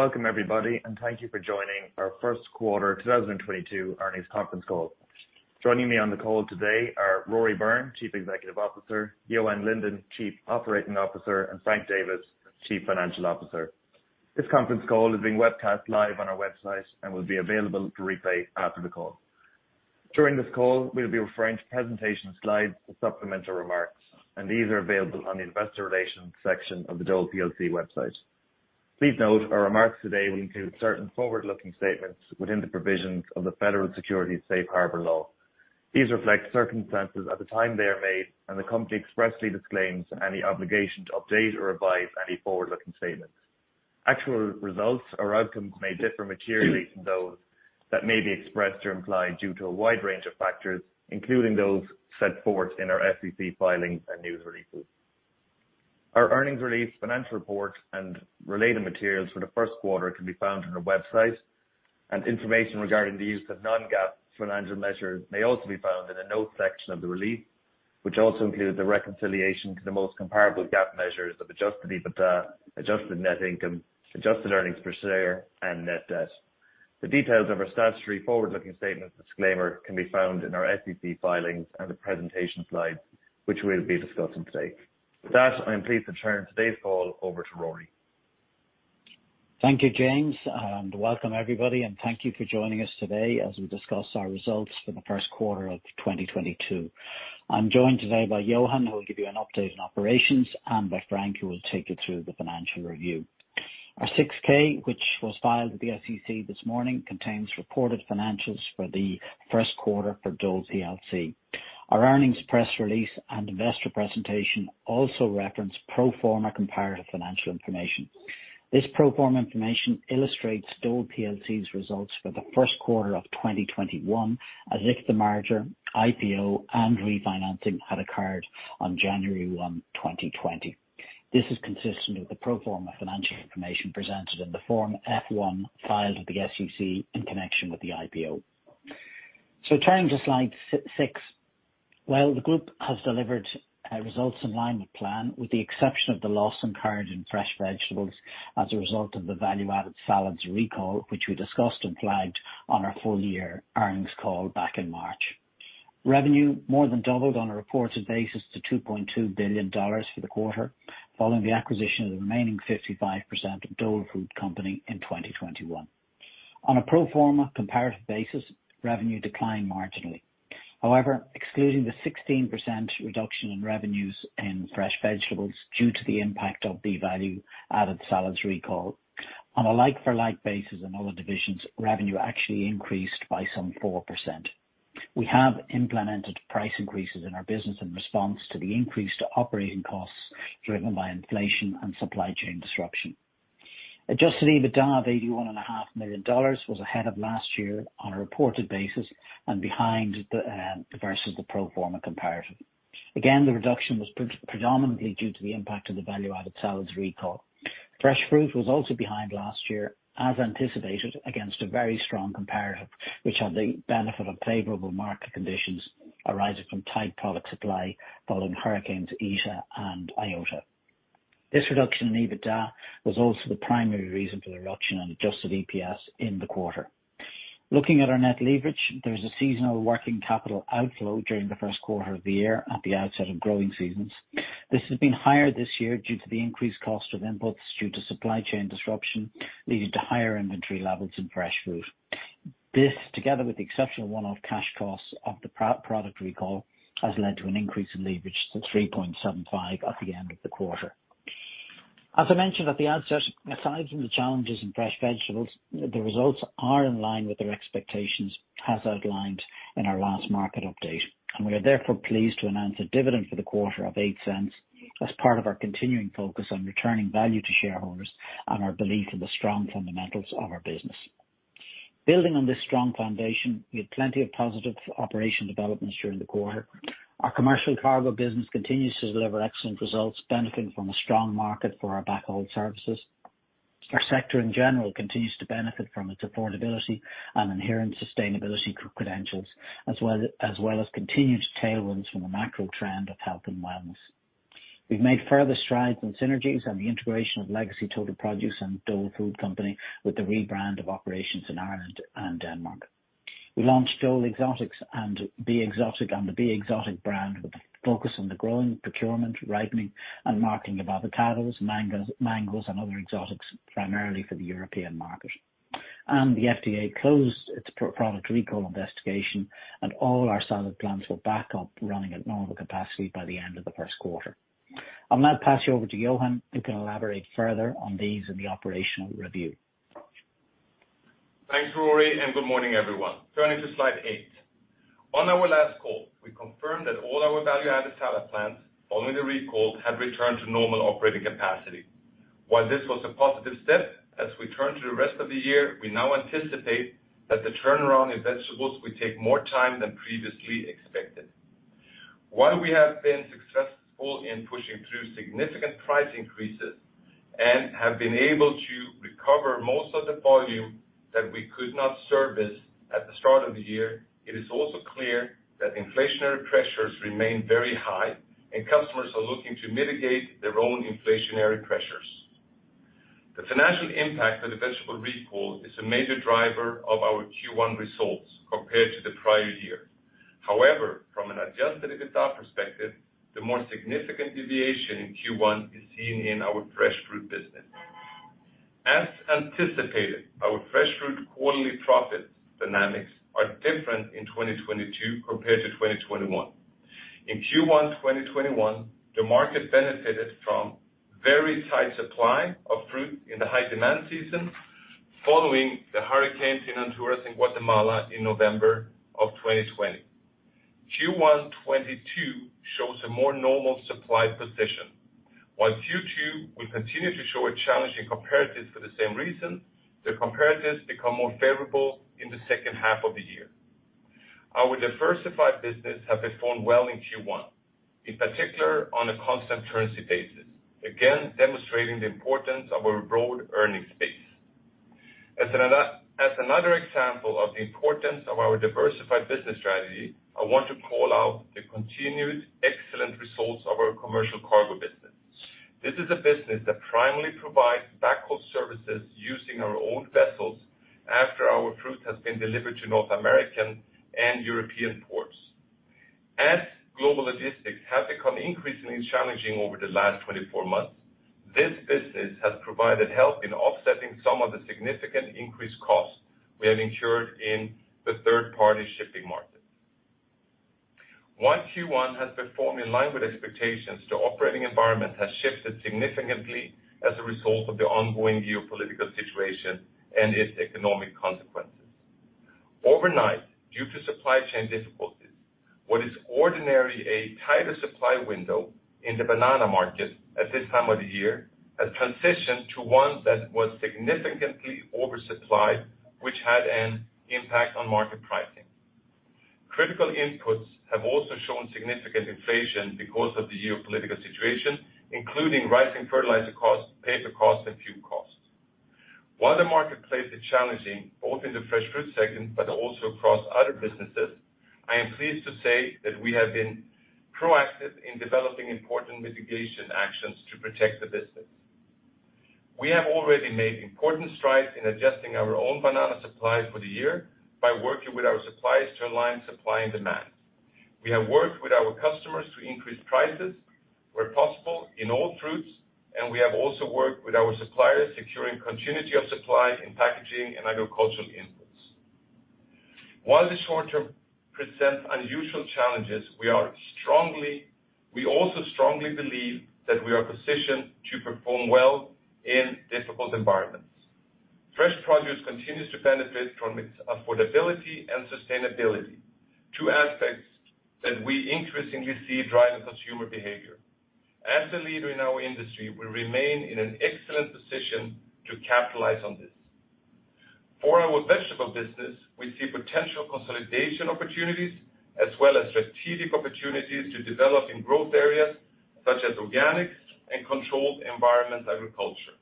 Welcome everybody, and thank you for joining our First Quarter 2022 Earnings Conference Call. Joining me on the call today are Rory Byrne, Chief Executive Officer, Johan Linden, Chief Operating Officer, and Frank Davis, Chief Financial Officer. This conference call is being webcast live on our website and will be available to replay after the call. During this call, we'll be referring to presentation slides and supplemental remarks, and these are available on the investor relations section of the Dole plc website. Please note our remarks today will include certain forward-looking statements within the provisions of the Federal Securities Safe Harbor law. These reflect circumstances at the time they are made, and the company expressly disclaims any obligation to update or revise any forward-looking statements. Actual results or outcomes may differ materially from those that may be expressed or implied due to a wide range of factors, including those set forth in our SEC filings and news releases. Our earnings release, financial report and related materials for the first quarter can be found on our website, and information regarding the use of non-GAAP financial measures may also be found in the notes section of the release, which also includes a reconciliation to the most comparable GAAP measures of Adjusted EBITDA, Adjusted Net Income, Adjusted Earnings Per Share, and Net Debt. The details of our statutory forward-looking statements disclaimer can be found in our SEC filings and the presentation slides, which we'll be discussing today. With that, I'm pleased to turn today's call over to Rory. Thank you, James, and welcome everybody, and thank you for joining us today as we discuss our results for the first quarter of 2022. I'm joined today by Johan, who will give you an update on operations, and by Frank, who will take you through the financial review. Our 6-K, which was filed with the SEC this morning, contains reported financials for the first quarter for Dole plc. Our earnings press release and investor presentation also reference pro forma comparative financial information. This pro forma information illustrates Dole plc's results for the first quarter of 2021, as if the merger, IPO and refinancing had occurred on January 1, 2020. This is consistent with the pro forma financial information presented in the Form F-1 filed with the SEC in connection with the IPO. Turning to slide 6. The group has delivered results in line with plan, with the exception of the loss incurred in Fresh Vegetables as a result of the value-added salads recall, which we discussed and flagged on our full-year earnings call back in March. Revenue more than doubled on a reported basis to $2.2 billion for the quarter, following the acquisition of the remaining 55% of Dole Food Company in 2021. On a pro forma comparative basis, revenue declined marginally. However, excluding the 16% reduction in revenues in Fresh Vegetables due to the impact of the value-added salads recall, on a like-for-like basis in all the divisions, revenue actually increased by some 4%. We have implemented price increases in our business in response to the increase in operating costs driven by inflation and supply chain disruption. Adjusted EBITDA of $81.5 million was ahead of last year on a reported basis and behind versus the pro forma comparative. Again, the reduction was predominantly due to the impact of the value-added salads recall. Fresh Fruit was also behind last year as anticipated against a very strong comparative which had the benefit of favorable market conditions arising from tight product supply following hurricanes Eta and Iota. This reduction in EBITDA was also the primary reason for the reduction in Adjusted EPS in the quarter. Looking at our net leverage, there's a seasonal working capital outflow during the first quarter of the year at the outset of growing seasons. This has been higher this year due to the increased cost of inputs due to supply chain disruption, leading to higher inventory levels in fresh food. This, together with the exceptional one-off cash costs of the product recall, has led to an increase in leverage to 3.75 at the end of the quarter. As I mentioned at the outset, aside from the challenges in Fresh Vegetables, the results are in line with their expectations as outlined in our last market update. We are therefore pleased to announce a dividend for the quarter of $0.08 as part of our continuing focus on returning value to shareholders and our belief in the strong fundamentals of our business. Building on this strong foundation, we had plenty of positive operational developments during the quarter. Our commercial cargo business continues to deliver excellent results, benefiting from a strong market for our backhaul services. Our sector in general continues to benefit from its affordability and inherent sustainability credentials, as well as continued tailwinds from the macro trend of health and wellness. We've made further strides in synergies and the integration of Legacy Total Produce and Dole Food Company with the rebrand of operations in Ireland and Denmark. We launched Dole Exotics and the BE Exotic brand, with a focus on the growing procurement, ripening, and marketing of avocados, mangoes and other exotics, primarily for the European market. The FDA closed its product recall investigation, and all our salad plants were back up and running at normal capacity by the end of the first quarter. I'll now pass you over to Johan, who can elaborate further on these in the operational review. Thanks, Rory, and good morning, everyone. Turning to slide 8. On our last call, we confirmed that all our value-added salad plants following the recall had returned to normal operating capacity. While this was a positive step, as we turn to the rest of the year, we now anticipate that the turnaround in vegetables will take more time than previously expected. While we have been successful in pushing through significant price increases and have been able to recover most of the volume that we could not service Part of the year, it is also clear that inflationary pressures remain very high, and customers are looking to mitigate their own inflationary pressures. The financial impact of the vegetable recall is a major driver of our Q1 results compared to the prior year. However, from an Adjusted EBITDA perspective, the more significant deviation in Q1 is seen in our Fresh Fruit business. As anticipated, our Fresh Fruit quarterly profit dynamics are different in 2022 compared to 2021. In Q1 2021, the market benefited from very tight supply of fruit in the high demand season following the hurricanes in Honduras and Guatemala in November of 2020. Q1 2022 shows a more normal supply position. While Q2 will continue to show a challenging comparative for the same reason, the comparatives become more favorable in the second half of the year. Our diversified business has performed well in Q1, in particular on a constant currency basis, again demonstrating the importance of our broad earnings base. As another example of the importance of our diversified business strategy, I want to call out the continued excellent results of our commercial cargo business. This is a business that primarily provides backhaul services using our own vessels after our fruit has been delivered to North American and European ports. As global logistics have become increasingly challenging over the last 24 months, this business has provided help in offsetting some of the significant increased costs we have incurred in the third-party shipping market. While Q1 has performed in line with expectations, the operating environment has shifted significantly as a result of the ongoing geopolitical situation and its economic consequences. Overnight, due to supply chain difficulties, what is ordinarily a tighter supply window in the banana market at this time of the year has transitioned to one that was significantly oversupplied, which had an impact on market pricing. Critical inputs have also shown significant inflation because of the geopolitical situation, including rising fertilizer costs, paper costs, and fuel costs. While the marketplace is challenging, both in the fresh fruit segment, but also across other businesses, I am pleased to say that we have been proactive in developing important mitigation actions to protect the business. We have already made important strides in adjusting our own banana supplies for the year by working with our suppliers to align supply and demand. We have worked with our customers to increase prices where possible in all fruits, and we have also worked with our suppliers, securing continuity of supply in packaging and agricultural inputs. While the short term presents unusual challenges, we also strongly believe that we are positioned to perform well in difficult environments. Fresh produce continues to benefit from its affordability and sustainability, two aspects that we increasingly see driving consumer behavior. As a leader in our industry, we remain in an excellent position to capitalize on this. For our vegetable business, we see potential consolidation opportunities as well as strategic opportunities to develop in growth areas such as organics and controlled environment agriculture.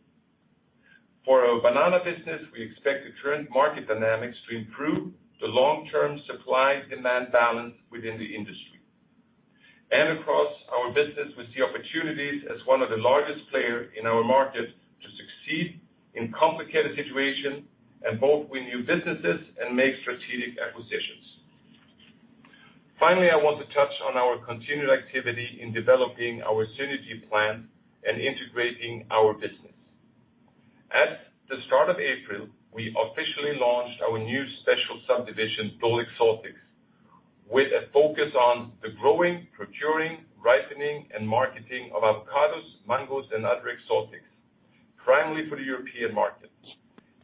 For our banana business, we expect the current market dynamics to improve the long-term supply and demand balance within the industry. Across our business, we see opportunities as one of the largest player in our market to succeed in complicated situations and both win new businesses and make strategic acquisitions. Finally, I want to touch on our continued activity in developing our synergy plan and integrating our business. At the start of April, we officially launched our new special subdivision, Dole Exotics, with a focus on the growing, procuring, ripening, and marketing of avocados, mangoes, and other exotics, primarily for the European market.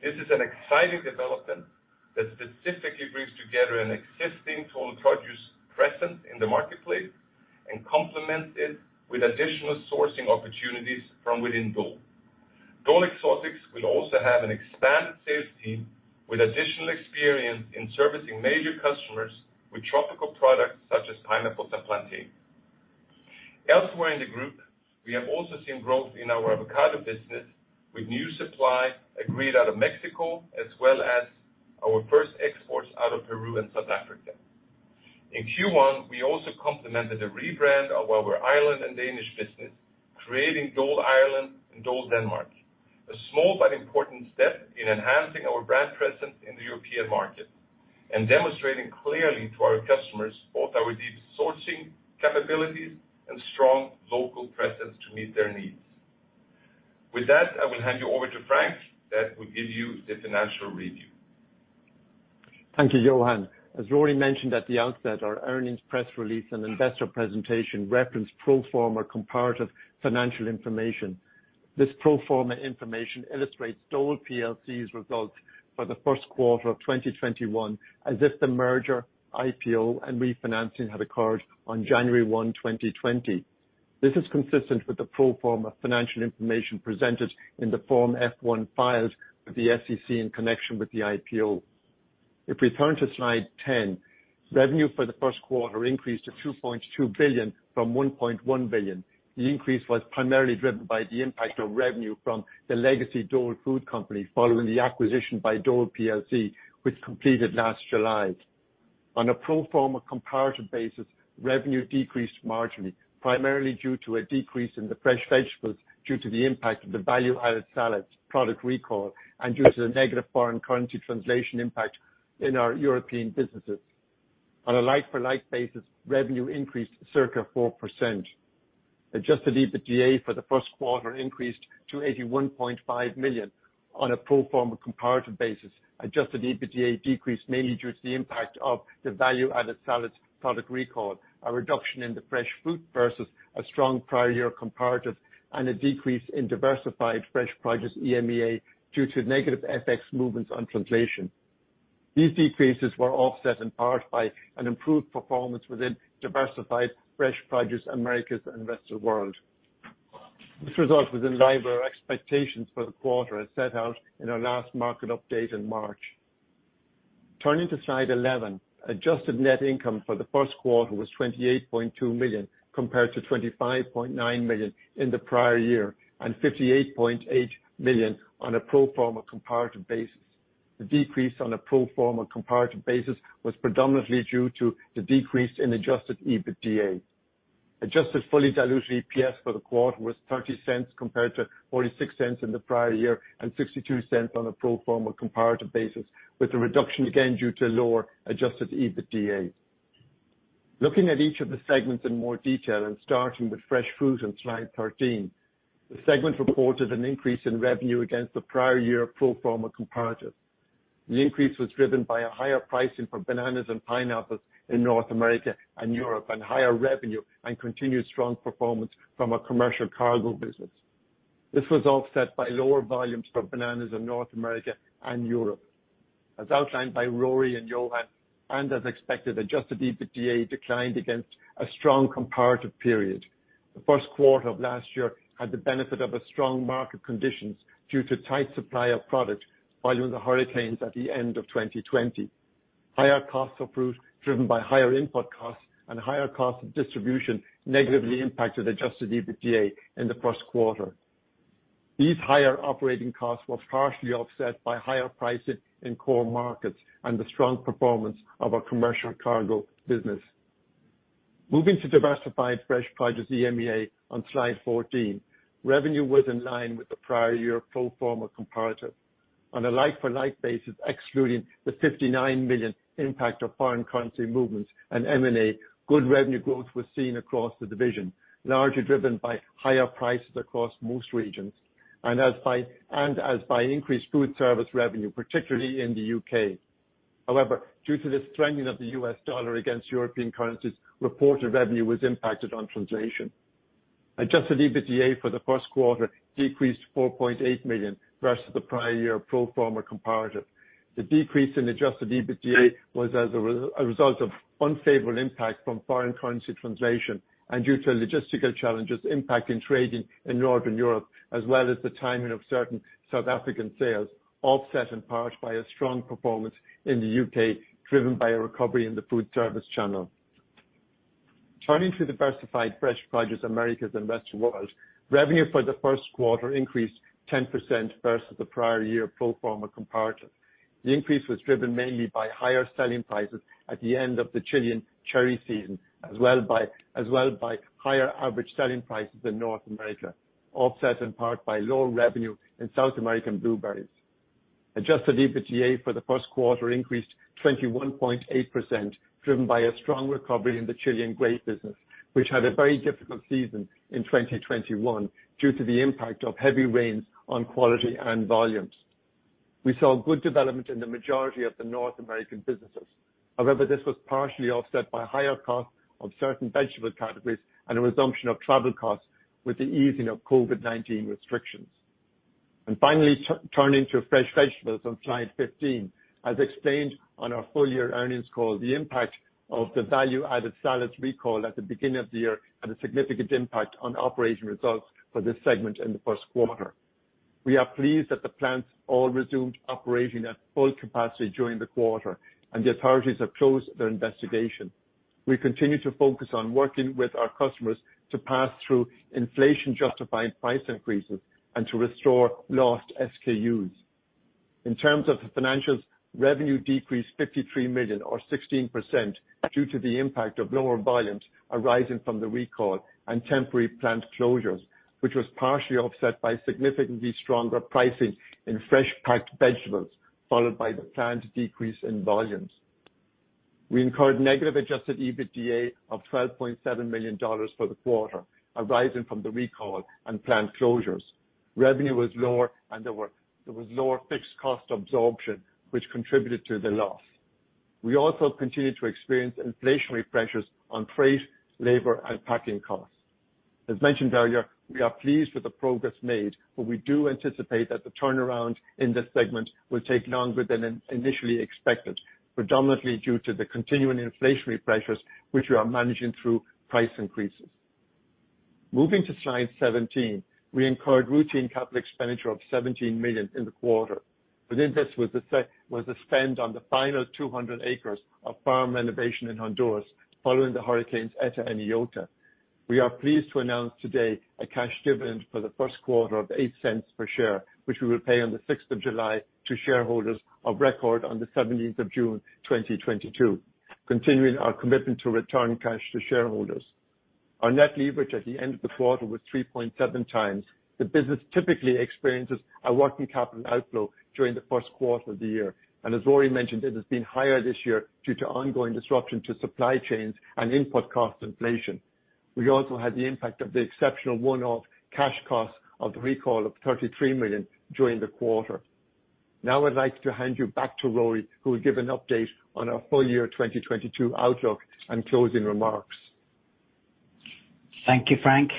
This is an exciting development that specifically brings together an existing Total Produce presence in the marketplace and complements it with additional sourcing opportunities from within Dole. Dole Exotics will also have an expanded sales team with additional experience in servicing major customers with tropical products such as pineapples and plantain. Elsewhere in the group, we have also seen growth in our avocado business with new supply agreed out of Mexico, as well as our first exports out of Peru and South Africa. In Q1, we also completed a rebrand of our Irish and Danish business, creating Dole Ireland and Dole Nordic, a small but important step in enhancing our brand presence in the European market and demonstrating clearly to our customers both our deep sourcing capabilities and strong local presence to meet their needs. With that, I will hand you over to Frank, who will give you the financial review. Thank you, Johan. As Rory mentioned at the outset, our earnings press release and investor presentation reference pro forma comparative financial information. This pro forma information illustrates Dole plc's results for the first quarter of 2021, as if the merger, IPO, and refinancing had occurred on January 1, 2020. This is consistent with the pro forma financial information presented in the Form F-1 filed with the SEC in connection with the IPO. If we turn to slide 10. Revenue for the first quarter increased to $2.2 billion from $1.1 billion. The increase was primarily driven by the impact of revenue from the legacy Dole Food Company following the acquisition by Dole plc, which completed last July. On a pro forma comparative basis, revenue decreased marginally, primarily due to a decrease in the Fresh Vegetables due to the impact of the value-added salads product recall, and due to the negative foreign currency translation impact in our European businesses. On a like-for-like basis, revenue increased circa 4%. Adjusted EBITDA for the first quarter increased to $81.5 million on a pro forma comparative basis. Adjusted EBITDA decreased mainly due to the impact of the value-added salads product recall, a reduction in the Fresh Fruit versus a strong prior year comparative and a decrease in Diversified Fresh Produce - EMEA due to negative FX movements on translation. These decreases were offset in part by an improved performance within Diversified Fresh Produce Americas and Rest of World. This result was in line with our expectations for the quarter as set out in our last market update in March. Turning to slide 11. Adjusted Net Income for the first quarter was $28.2 million, compared to $25.9 million in the prior year, and $58.8 million on a pro forma comparative basis. The decrease on a pro forma comparative basis was predominantly due to the decrease in Adjusted EBITDA. Adjusted fully diluted EPS for the quarter was $0.30 compared to $0.46 in the prior year and $0.62 on a pro forma comparative basis, with the reduction again due to lower Adjusted EBITDA. Looking at each of the segments in more detail and starting with Fresh Fruit on slide 13. The segment reported an increase in revenue against the prior year pro forma comparative. The increase was driven by higher pricing for bananas and pineapples in North America and Europe, and higher revenue and continued strong performance from our commercial cargo business. This was offset by lower volumes for bananas in North America and Europe. As outlined by Rory and Johan, and as expected, Adjusted EBITDA declined against a strong comparative period. The first quarter of last year had the benefit of strong market conditions due to tight supply of product following the hurricanes at the end of 2020. Higher costs of fruit driven by higher input costs and higher costs of distribution negatively impacted Adjusted EBITDA in the first quarter. These higher operating costs were partially offset by higher pricing in core markets and the strong performance of our commercial cargo business. Moving to Diversified Fresh Produce EMEA on slide 14. Revenue was in line with the prior year pro forma comparative. On a like-for-like basis, excluding the $59 million impact of foreign currency movements and M&A, good revenue growth was seen across the division, largely driven by higher prices across most regions and by increased food service revenue, particularly in the U.K. However, due to the strengthening of the U.S. dollar against European currencies, reported revenue was impacted on translation. Adjusted EBITDA for the first quarter decreased $4.8 million versus the prior year pro forma comparative. The decrease in adjusted EBITDA was as a result of unfavorable impact from foreign currency translation and due to logistical challenges impacting trading in Northern Europe, as well as the timing of certain South African sales, offset in part by a strong performance in the U.K., driven by a recovery in the food service channel. Turning to Diversified Fresh Produce Americas and Rest of World. Revenue for the first quarter increased 10% versus the prior year pro forma comparative. The increase was driven mainly by higher selling prices at the end of the Chilean cherry season, as well by higher average selling prices in North America, offset in part by lower revenue in South American blueberries. Adjusted EBITDA for the first quarter increased 21.8%, driven by a strong recovery in the Chilean grape business, which had a very difficult season in 2021 due to the impact of heavy rains on quality and volumes. We saw good development in the majority of the North American businesses. However, this was partially offset by higher costs of certain vegetable categories and a resumption of travel costs with the easing of COVID-19 restrictions. Finally, turning to fresh vegetables on slide 15. As explained on our full year earnings call, the impact of the value-added salads recall at the beginning of the year had a significant impact on operating results for this segment in the first quarter. We are pleased that the plants all resumed operating at full capacity during the quarter and the authorities have closed their investigation. We continue to focus on working with our customers to pass through inflation justified price increases and to restore lost SKUs. In terms of the financials, revenue decreased $53 million or 16% due to the impact of lower volumes arising from the recall and temporary plant closures, which was partially offset by significantly stronger pricing in fresh packed vegetables, followed by the planned decrease in volumes. We incurred negative adjusted EBITDA of $12.7 million for the quarter arising from the recall and plant closures. Revenue was lower and there was lower fixed cost absorption which contributed to the loss. We also continued to experience inflationary pressures on freight, labor, and packing costs. As mentioned earlier, we are pleased with the progress made, but we do anticipate that the turnaround in this segment will take longer than initially expected, predominantly due to the continuing inflationary pressures which we are managing through price increases. Moving to slide 17, we incurred routine capital expenditure of $17 million in the quarter. Within this was the spend on the final 200 acres of farm renovation in Honduras following Hurricane Eta and Hurricane Iota. We are pleased to announce today a cash dividend for the first quarter of $0.08 per share, which we will pay on the 6th of July to shareholders of record on the seventeenth of June, 2022, continuing our commitment to return cash to shareholders. Our net leverage at the end of the quarter was 3.7x. The business typically experiences a working capital outflow during the first quarter of the year, and as Rory mentioned, it has been higher this year due to ongoing disruption to supply chains and input cost inflation. We also had the impact of the exceptional one-off cash costs of the recall of $33 million during the quarter. Now I'd like to hand you back to Rory, who will give an update on our full year 2022 outlook and closing remarks. Thank you, Frank.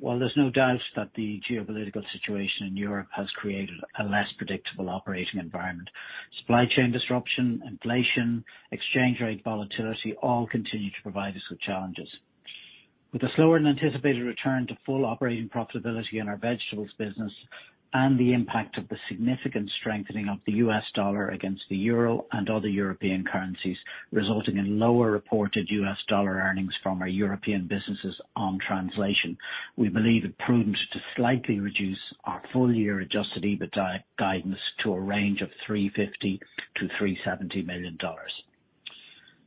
While there's no doubt that the geopolitical situation in Europe has created a less predictable operating environment, supply chain disruption, inflation, exchange rate volatility all continue to provide us with challenges. With a slower than anticipated return to full operating profitability in our vegetables business and the impact of the significant strengthening of the U.S. dollar against the euro and other European currencies, resulting in lower reported U.S. dollar earnings from our European businesses on translation, we believe it prudent to slightly reduce our full-year Adjusted EBIT guidance to a range of $350 million-$370 million.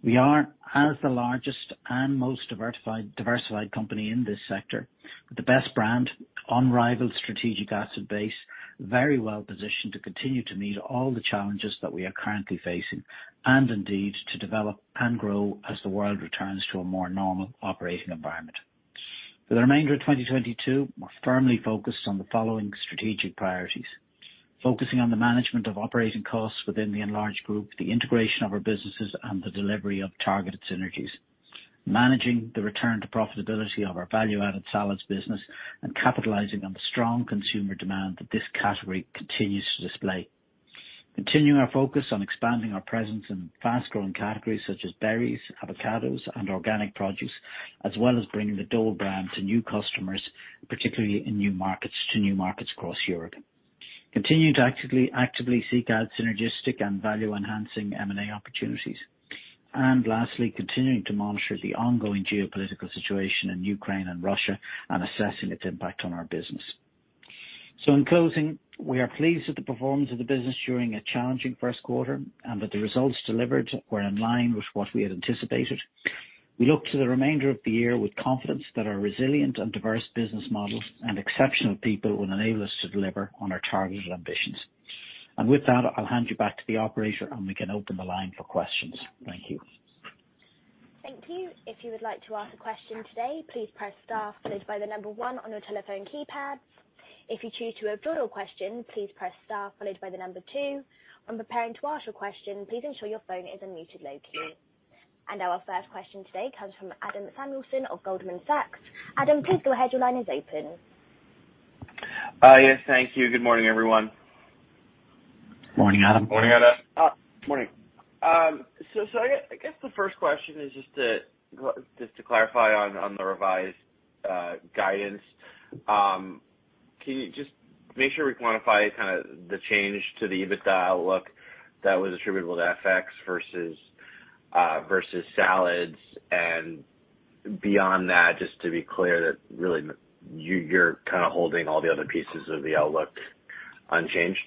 We are, as the largest and most diversified company in this sector, the best brand, unrivaled strategic asset base, very well positioned to continue to meet all the challenges that we are currently facing, and indeed to develop and grow as the world returns to a more normal operating environment. For the remainder of 2022, we're firmly focused on the following strategic priorities. Focusing on the management of operating costs within the enlarged group, the integration of our businesses, and the delivery of targeted synergies. Managing the return to profitability of our value-added salads business and capitalizing on the strong consumer demand that this category continues to display. Continuing our focus on expanding our presence in fast-growing categories such as berries, avocados, and organic produce, as well as bringing the Dole brand to new customers, particularly in new markets across Europe. Continuing to actively seek out synergistic and value-enhancing M&A opportunities. Lastly, continuing to monitor the ongoing geopolitical situation in Ukraine and Russia and assessing its impact on our business. In closing, we are pleased with the performance of the business during a challenging first quarter, and that the results delivered were in line with what we had anticipated. We look to the remainder of the year with confidence that our resilient and diverse business models and exceptional people will enable us to deliver on our targets and ambitions. With that, I'll hand you back to the operator and we can open the line for questions. Thank you. Thank you. If you would like to ask a question today, please press star followed by the number 1 on your telephone keypad. If you choose to withdraw your question, please press star followed by the number two. When preparing to ask your question, please ensure your phone is unmuted locally. Our first question today comes from Adam Samuelson of Goldman Sachs. Adam, please go ahead. Your line is open. Yes, thank you. Good morning, everyone. Morning, Adam. Morning, Adam. Morning. Well, just to clarify on the revised guidance, can you just make sure we quantify kinda the change to the EBITDA outlook that was attributable to FX versus salads? Beyond that, just to be clear that really you're kinda holding all the other pieces of the outlook unchanged.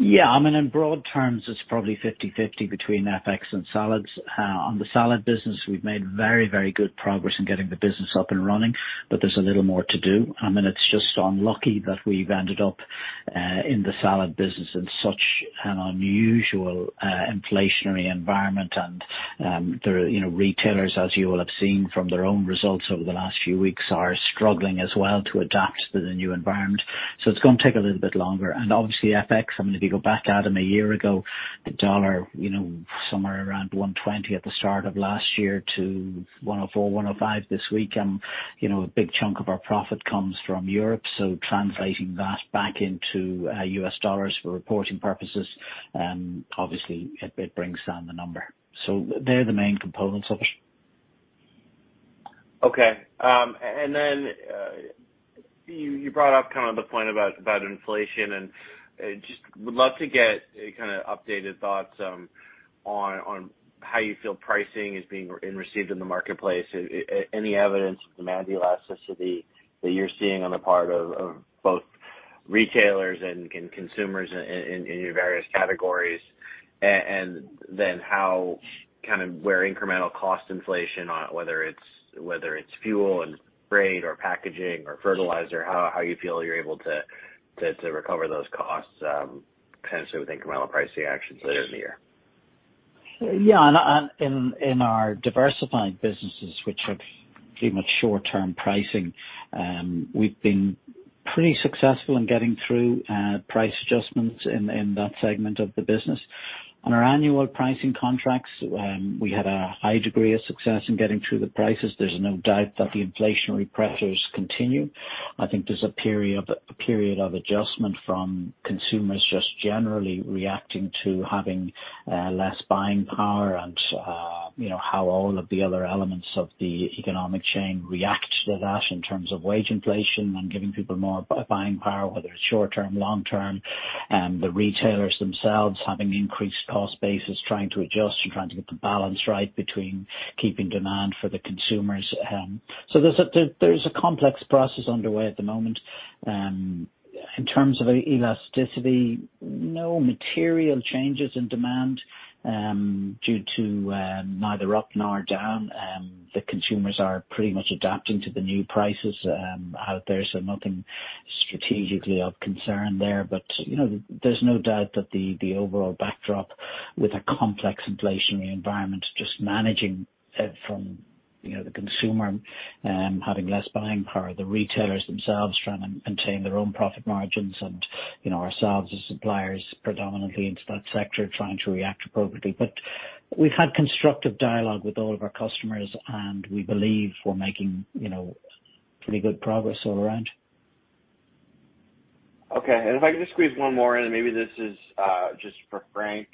Yeah. I mean, in broad terms, it's probably 50/50 between FX and salads. On the salad business, we've made very, very good progress in getting the business up and running, but there's a little more to do. I mean, it's just unlucky that we've ended up in the salad business in such an unusual inflationary environment. The, you know, retailers, as you all have seen from their own results over the last few weeks, are struggling as well to adapt to the new environment. It's gonna take a little bit longer. Obviously, FX, I mean, if you go back, Adam, a year ago, the dollar, you know, somewhere around 1.20 at the start of last year to 1.04, 1.05 this week. You know, a big chunk of our profit comes from Europe, so translating that back into U.S. dollars for reporting purposes, obviously it brings down the number. They're the main components of it. Okay. And then you brought up kind of the point about inflation, and just would love to get kinda updated thoughts on how you feel pricing is being received in the marketplace. Any evidence of demand elasticity that you're seeing on the part of both retailers and consumers in your various categories. And then how kind of where incremental cost inflation on whether it's fuel and freight or packaging or fertilizer, how you feel you're able to recover those costs kind of sort of with incremental pricing actions later in the year. Yeah. In our diversified businesses, which have pretty much short-term pricing, we've been pretty successful in getting through price adjustments in that segment of the business. On our annual pricing contracts, we had a high degree of success in getting through the prices. There's no doubt that the inflationary pressures continue. I think there's a period of adjustment from consumers just generally reacting to having less buying power and you know how all of the other elements of the economic chain react to that in terms of wage inflation and giving people more buying power, whether it's short-term, long-term. The retailers themselves having increased cost base is trying to adjust and trying to get the balance right between keeping demand for the consumers. There's a complex process underway at the moment. In terms of elasticity, no material changes in demand due to neither up nor down. The consumers are pretty much adapting to the new prices out there, so nothing strategically of concern there. You know, there's no doubt that the overall backdrop with a complex inflationary environment, just managing it from, you know, the consumer having less buying power, the retailers themselves trying to maintain their own profit margins and, you know, ourselves as suppliers predominantly into that sector trying to react appropriately. We've had constructive dialogue with all of our customers, and we believe we're making, you know, pretty good progress all around. Okay. If I could just squeeze one more in, maybe this is just for Frank.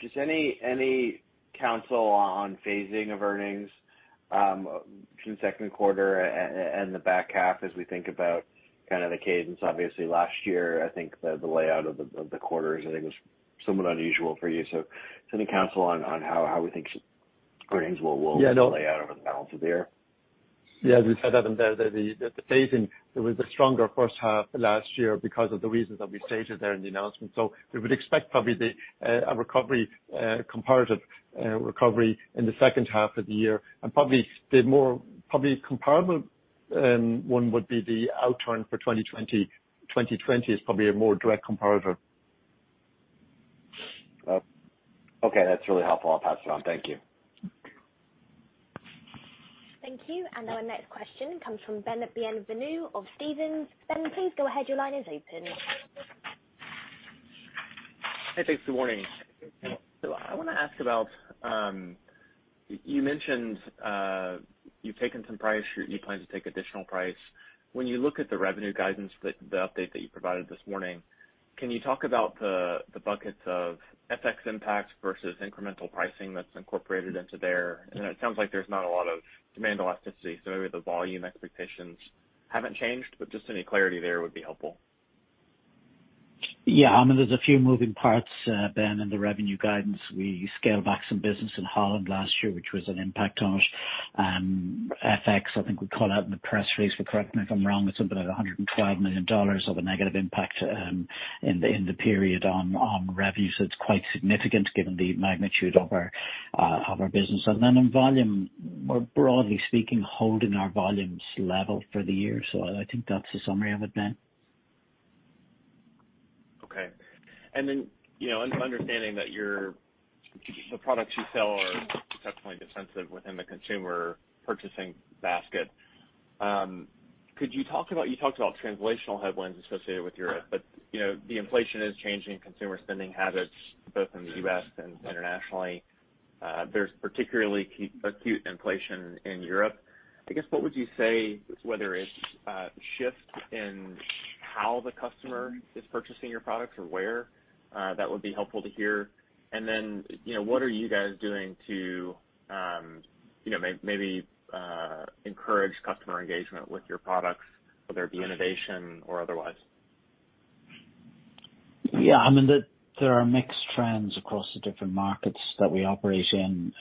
Just any counsel on phasing of earnings from second quarter and the back half as we think about kind of the cadence. Obviously last year, I think the layout of the quarters I think was somewhat unusual for you. Just any counsel on how we think earnings will play out over the balance of the year. Yeah, as we said, Adam, the phasing, it was a stronger first half last year because of the reasons that we stated there in the announcement. We would expect probably a comparative recovery in the second half of the year. Probably comparable one would be the outturn for 2020. 2020 is probably a more direct comparative. Okay, that's really helpful. I'll pass it on. Thank you. Thank you. Our next question comes from Ben Bienvenu of Stephens. Ben, please go ahead. Your line is open. Hey, thanks. Good morning. I wanna ask about. You mentioned you've taken some price, you plan to take additional price. When you look at the revenue guidance, the update that you provided this morning, can you talk about the buckets of FX impact versus incremental pricing that's incorporated into there? It sounds like there's not a lot of demand elasticity, so maybe the volume expectations haven't changed, but just any clarity there would be helpful. Yeah. I mean, there's a few moving parts, Ben, in the revenue guidance. We scaled back some business in Holland last year, which was an impact on it. FX, I think we called out in the press release, but correct me if I'm wrong, it's something like $112 million of a negative impact in the period on revenue. It's quite significant given the magnitude of our business. Then on volume, we're broadly speaking, holding our volumes level for the year. I think that's a summary of it then. Okay. You know, understanding that the products you sell are definitely defensive within the consumer purchasing basket, could you talk about? You talked about translational headwinds associated with Europe, but, you know, the inflation is changing consumer spending habits both in the U.S. and internationally. There's particularly acute inflation in Europe. I guess what would you say, whether it's shift in how the customer is purchasing your products or where that would be helpful to hear. You know, what are you guys doing to maybe encourage customer engagement with your products, whether it be innovation or otherwise? Yeah. I mean, there are mixed trends across the different markets that we operate in.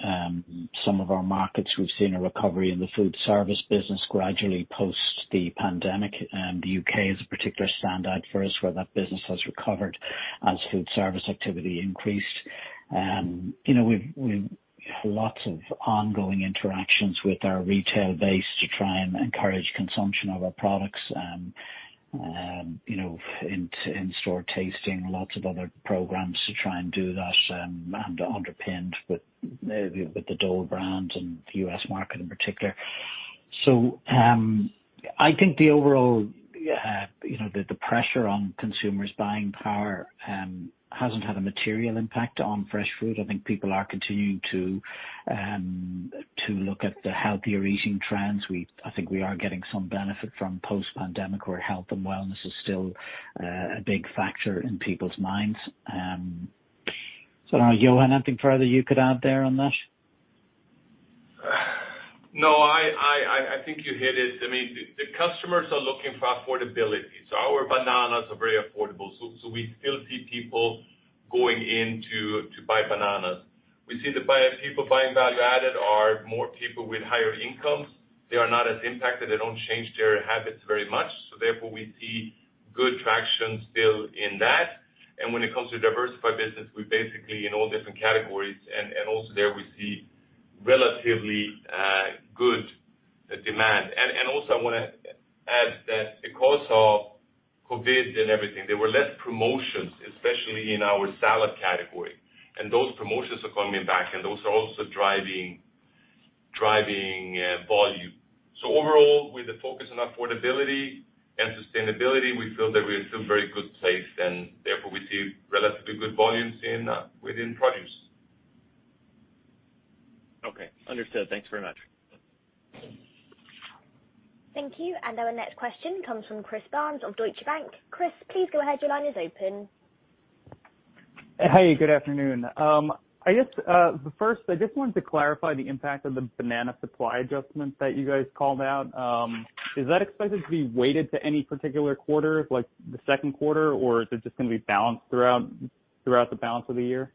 Some of our markets, we've seen a recovery in the food service business gradually post the pandemic, and the U.K. is a particular standout for us, where that business has recovered as food service activity increased. You know, we've lots of ongoing interactions with our retail base to try and encourage consumption of our products, you know, in store tasting, lots of other programs to try and do that, and underpinned with the Dole brand and the U.S. market in particular. I think the overall, you know, the pressure on consumers buying power hasn't had a material impact on fresh food. I think people are continuing to look at the healthier eating trends. I think we are getting some benefit from post-pandemic where health and wellness is still a big factor in people's minds. Johan, anything further you could add there on that? No, I think you hit it. I mean, the customers are looking for affordability. Our bananas are very affordable, so we still see people going in to buy bananas. We see people buying value-added are more people with higher incomes. They are not as impacted. They don't change their habits very much, so therefore, we see good traction still in that. When it comes to diversified business, we're basically in all different categories and also there we see relatively good demand. Also I wanna add that because of COVID and everything, there were less promotions, especially in our salad category. Those promotions are coming back, and those are also driving volume. Overall, with the focus on affordability and sustainability, we feel that we're still very well placed, and therefore we see relatively good volumes within produce. Okay. Understood. Thanks very much. Thank you. Our next question comes from Chris Barnes of Deutsche Bank. Chris, please go ahead. Your line is open. Hey, good afternoon. I guess first, I just wanted to clarify the impact of the banana supply adjustments that you guys called out. Is that expected to be weighted to any particular quarter, like the second quarter? Or is it just gonna be balanced throughout the balance of the year?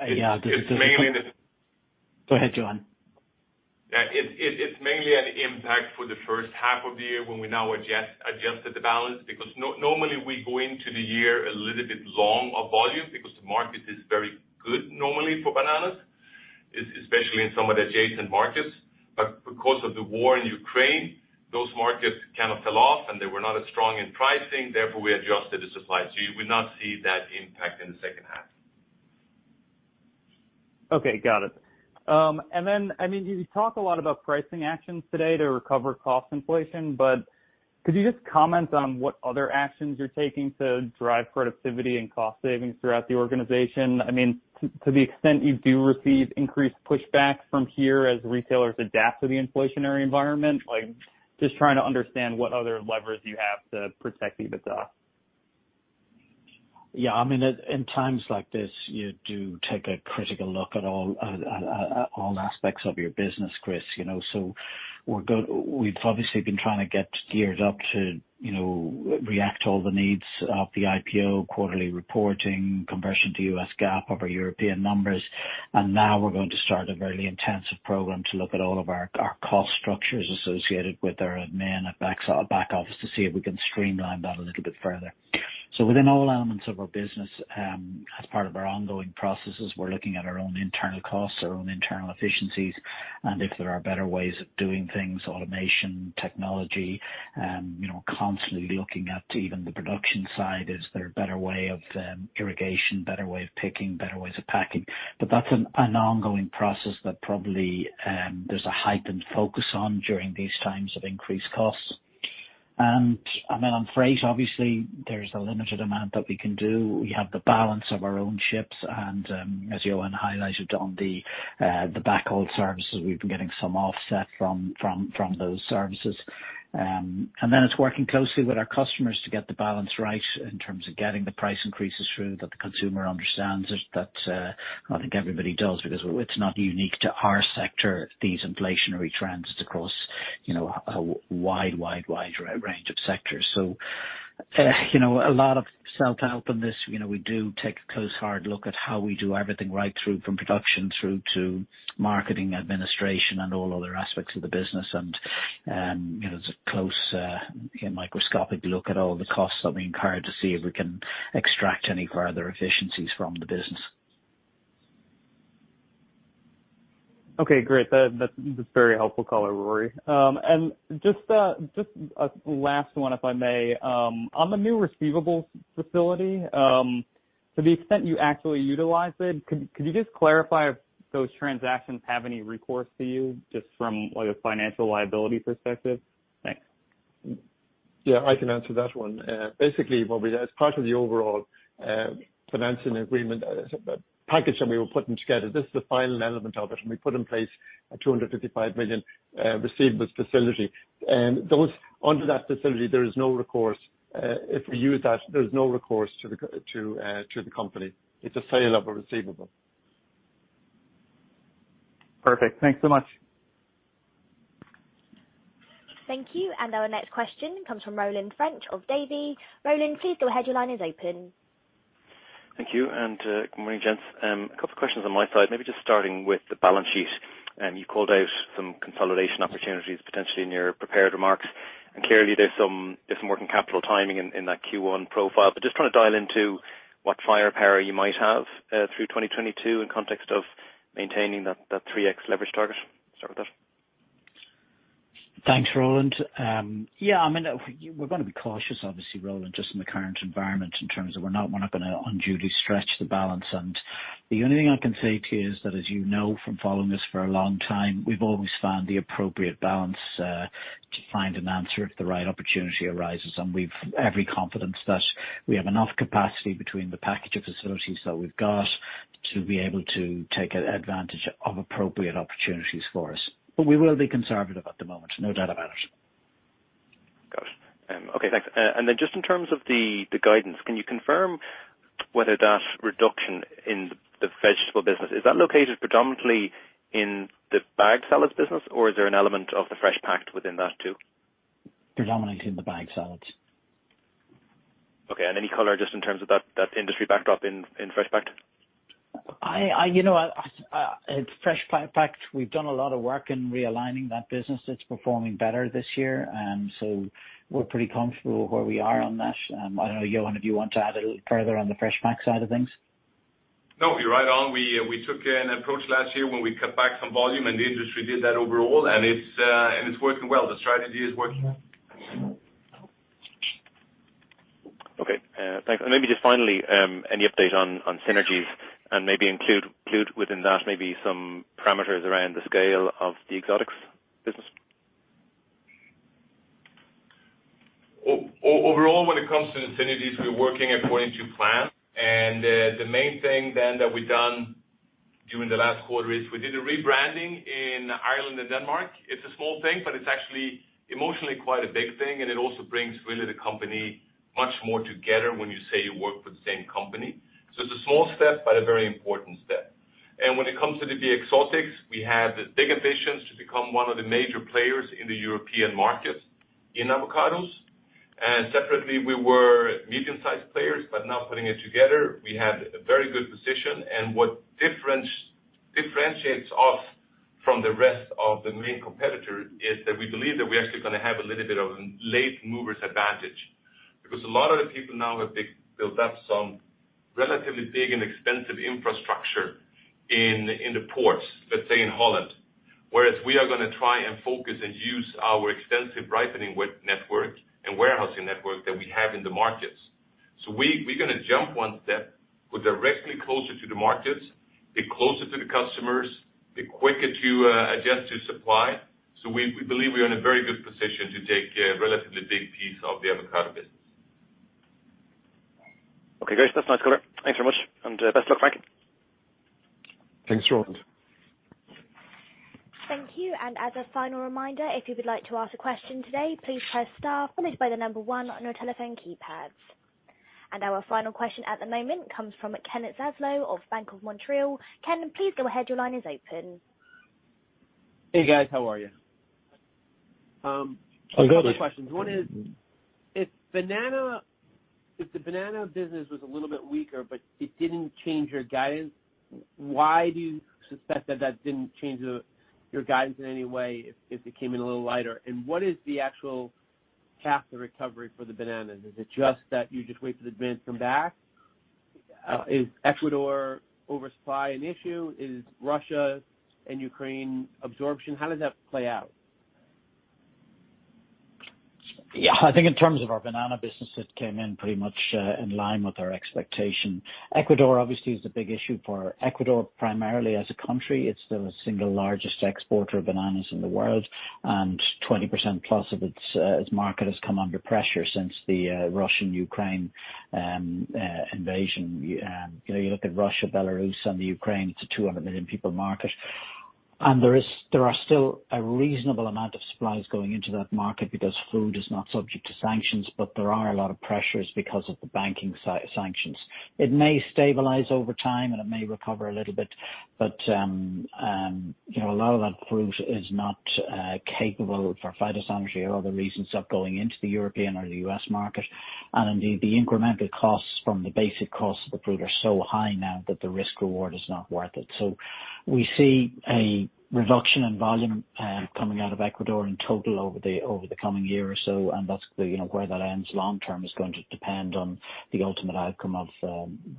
Yeah. Go ahead, Johan. Yeah. It's mainly an impact for the first half of the year when we now adjusted the balance because normally we go into the year a little bit long of volume because the market is very good normally for bananas, especially in some of the adjacent markets. Because of the war in Ukraine, those markets kind of fell off, and they were not as strong in pricing, therefore, we adjusted the supply. You would not see that impact in the second half. Okay. Got it. I mean, you talk a lot about pricing actions today to recover cost inflation, but could you just comment on what other actions you're taking to drive productivity and cost savings throughout the organization? I mean, to the extent you do receive increased pushback from here as retailers adapt to the inflationary environment. Like, just trying to understand what other levers you have to protect EBITDA. Yeah. I mean, in times like this, you do take a critical look at all aspects of your business, Chris, you know. We're we've obviously been trying to get geared up to, you know, react to all the needs of the IPO quarterly reporting, conversion to U.S. GAAP of our European numbers. Now we're going to start a very intensive program to look at all of our cost structures associated with our admin and back office to see if we can streamline that a little bit further. Within all elements of our business, as part of our ongoing processes, we're looking at our own internal costs, our own internal efficiencies, and if there are better ways of doing things, automation, technology, you know, constantly looking at even the production side. Is there a better way of, irrigation, better way of picking, better ways of packing? That's an ongoing process that probably there's a heightened focus on during these times of increased costs. I mean, on freight, obviously there's a limited amount that we can do. We have the balance of our own ships and, as Johan highlighted on the backhaul services, we've been getting some offset from those services. Then it's working closely with our customers to get the balance right in terms of getting the price increases through, that the consumer understands it. That, I think everybody does because it's not unique to our sector, these inflationary trends. It's across, you know, a wide range of sectors. You know, a lot of self-help in this. You know, we do take a close, hard look at how we do everything right through from production through to marketing, administration and all other aspects of the business. You know, it's a close, you know, microscopic look at all the costs that we incur to see if we can extract any further efficiencies from the business. Okay. Great. That's very helpful color, Rory. Just a last one, if I may. On the new receivables facility, to the extent you actually utilize it, could you just clarify if those transactions have any recourse to you just from, like, a financial liability perspective? Thanks. Yeah, I can answer that one. Basically what we did, as part of the overall financing agreement, so the package that we were putting together, this is the final element of it, and we put in place a $255 million receivables facility. Those under that facility, there is no recourse. If we use that, there's no recourse to the company. It's a sale of a receivable. Perfect. Thanks so much. Thank you. Our next question comes from Roland French of Davy. Roland, please go ahead. Your line is open. Thank you. Good morning, gents. A couple questions on my side. Maybe just starting with the balance sheet. You called out some consolidation opportunities potentially in your prepared remarks. Clearly there's some working capital timing in that Q1 profile, but just trying to dial into what firepower you might have through 2022 in context of maintaining that 3x leverage target. Start with that. Thanks, Roland. Yeah, I mean, we're gonna be cautious obviously, Roland, just in the current environment in terms of we're not gonna unduly stretch the balance. The only thing I can say to you is that, as you know from following us for a long time, we've always found the appropriate balance to find an answer if the right opportunity arises. We've every confidence that we have enough capacity between the package of facilities that we've got to be able to take advantage of appropriate opportunities for us. But we will be conservative at the moment, no doubt about it. Got it. Okay. Thanks. Just in terms of the guidance, can you confirm whether that reduction in the vegetable business is located predominantly in the bagged salads business, or is there an element of the fresh packed within that too? Predominantly in the bagged salads. Okay. Any color just in terms of that industry backdrop in fresh packed? You know, at fresh packed, we've done a lot of work in realigning that business. It's performing better this year, and so we're pretty comfortable where we are on that. I don't know, Johan, if you want to add a little further on the fresh pack side of things. No, you're right on. We took an approach last year when we cut back some volume and the industry did that overall, and it's working well. The strategy is working. Thanks. Maybe just finally, any update on synergies and maybe include within that maybe some parameters around the scale of the exotics business. Overall, when it comes to the synergies we're working according to plan, and the main thing then that we've done during the last quarter is we did a rebranding in Ireland and Denmark. It's a small thing, but it's actually emotionally quite a big thing, and it also brings really the company much more together when you say you work for the same company. It's a small step but a very important step. When it comes to the exotics, we have big ambitions to become one of the major players in the European market in avocados. Separately we were medium-sized players, but now putting it together, we have a very good position. What differentiates us from the rest of the main competitors is that we believe that we're actually gonna have a little bit of late movers advantage. Because a lot of the people now have built up some relatively big and expensive infrastructure in the ports, let's say in Holland. Whereas we are gonna try and focus and use our extensive ripening wet network and warehousing network that we have in the markets. We're gonna jump one step. We're directly closer to the markets, be closer to the customers, be quicker to adjust to supply. We believe we are in a very good position to take a relatively big piece of the avocado business. Okay, great. That's nice color. Thanks very much and best of luck. Thanks, Roland. Thank you. As a final reminder, if you would like to ask a question today, please press star followed by the number one on your telephone keypads. Our final question at the moment comes from Kenneth Zaslow of Bank of Montreal. Ken, please go ahead. Your line is open. Hey, guys. How are you? I'm good. Two questions. One is, if the banana business was a little bit weaker, but it didn't change your guidance, why do you suspect that that didn't change your guidance in any way if it came in a little lighter? And what is the actual path to recovery for the bananas? Is it just that you just wait for the demand to come back? Is Ecuador oversupply an issue? Is Russia and Ukraine absorption, how does that play out? Yeah, I think in terms of our banana business, it came in pretty much in line with our expectation. Ecuador obviously is a big issue for Ecuador, primarily as a country. It's the single largest exporter of bananas in the world, and 20%+ of its market has come under pressure since the Russian-Ukraine invasion. You know, you look at Russia, Belarus, and the Ukraine, it's a 200 million people market. There are still a reasonable amount of supplies going into that market because food is not subject to sanctions, but there are a lot of pressures because of the banking sanctions. It may stabilize over time, and it may recover a little bit, but you know, a lot of that fruit is not capable for phytosanitary or other reasons of going into the European or the U.S. market. Indeed, the incremental costs from the basic costs of the fruit are so high now that the risk reward is not worth it. We see a reduction in volume coming out of Ecuador in total over the coming year or so. You know, where that ends long term is going to depend on the ultimate outcome of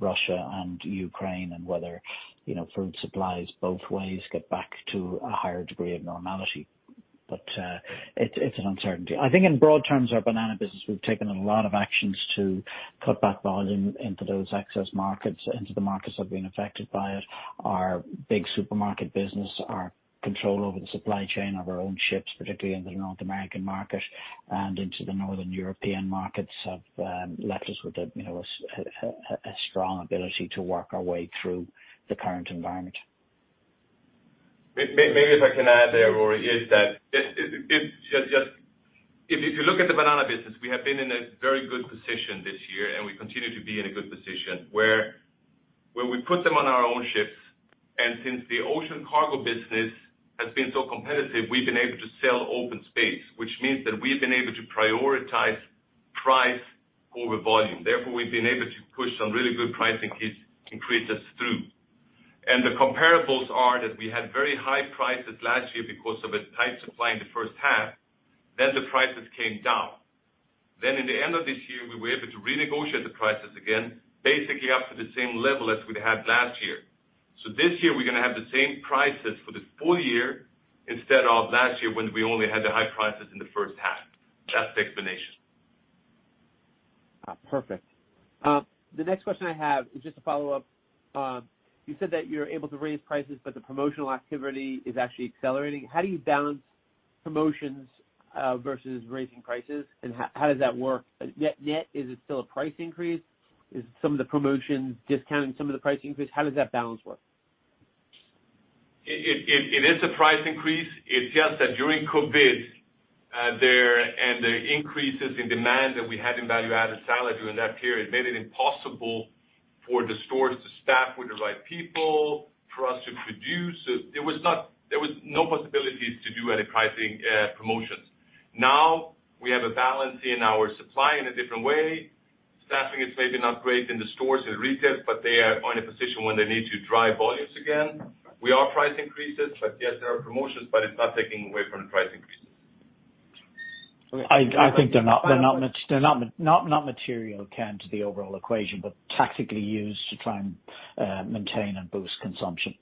Russia and Ukraine and whether you know, food supplies both ways get back to a higher degree of normality. It's an uncertainty. I think in broad terms, our banana business, we've taken a lot of actions to cut back volume into those excess markets, into the markets that have been affected by it. Our big supermarket business, our control over the supply chain of our own ships, particularly in the North American market and into the Northern European markets, have left us with a, you know, a strong ability to work our way through the current environment. Maybe if I can add there, Rory. If you look at the banana business, we have been in a very good position this year, and we continue to be in a good position where we put them on our own ships. Since the ocean cargo business has been so competitive, we've been able to sell open space, which means that we've been able to prioritize price over volume. Therefore, we've been able to push some really good pricing increases through. The comparables are that we had very high prices last year because of a tight supply in the first half. The prices came down. In the end of this year, we were able to renegotiate the prices again, basically up to the same level as we'd had last year. This year, we're gonna have the same prices for the full year instead of last year when we only had the high prices in the first half. That's the explanation. Perfect. The next question I have is just a follow-up. You said that you're able to raise prices, but the promotional activity is actually accelerating. How do you balance promotions versus raising prices, and how does that work net? Net, is it still a price increase? Is some of the promotions discounting some of the price increase? How does that balance work? It is a price increase. It's just that during COVID, the increases in demand that we had in value-added salad during that period made it impossible for the stores to staff with the right people, for us to produce. There was no possibilities to do any pricing, promotions. Now we have a balance in our supply in a different way. Staffing is maybe not great in the stores and retail, but they are on a position when they need to drive volumes again. We are price increases, but yes, there are promotions, but it's not taking away from the price increases. I think they're not much, not material, Ken, to the overall equation, but tactically used to try and maintain and boost consumption.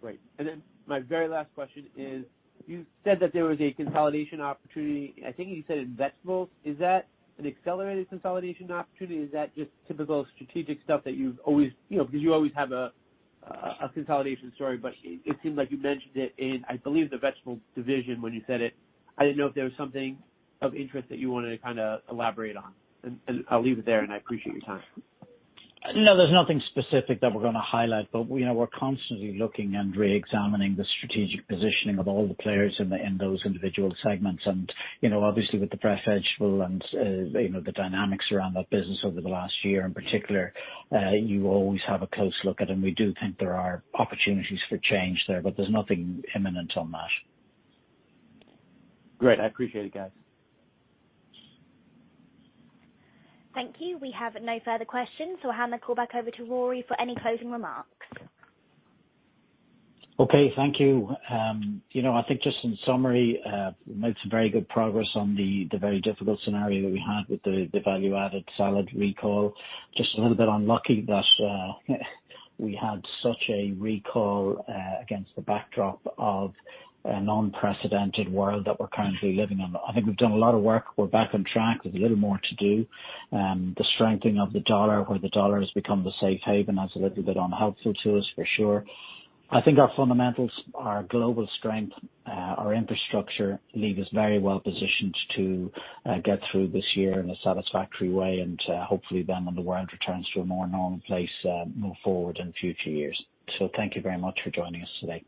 Right. Then my very last question is, you said that there was a consolidation opportunity, I think you said in vegetables. Is that an accelerated consolidation opportunity? Is that just typical strategic stuff that you've always you know, because you always have a consolidation story, but it seems like you mentioned it in, I believe, the vegetable division when you said it. I didn't know if there was something of interest that you wanted to kinda elaborate on. I'll leave it there, and I appreciate your time. No, there's nothing specific that we're gonna highlight, but, you know, we're constantly looking and reexamining the strategic positioning of all the players in those individual segments. You know, obviously with the Fresh Vegetables and, you know, the dynamics around that business over the last year in particular, you always have a close look at them. We do think there are opportunities for change there, but there's nothing imminent on that. Great. I appreciate it, guys. Thank you. We have no further questions, so I'll hand the call back over to Rory for any closing remarks. Okay. Thank you. You know, I think just in summary, we made some very good progress on the very difficult scenario that we had with the value-added salad recall. Just a little bit unlucky that we had such a recall against the backdrop of an unprecedented world that we're currently living in. I think we've done a lot of work. We're back on track. There's a little more to do. The strengthening of the dollar, where the dollar has become the safe haven, that's a little bit unhelpful to us for sure. I think our fundamentals, our global strength, our infrastructure leave us very well positioned to get through this year in a satisfactory way and hopefully then when the world returns to a more normal place, move forward in future years. Thank you very much for joining us today.